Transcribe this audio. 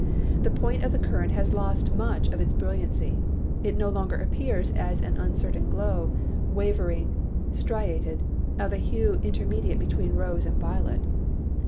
The path of the current has lost much of its brilliancy; it no longer appears as an uncertain glow, wavering, striated, of a hue intermediate between rose and violet.